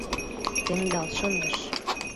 Темдал шындыш!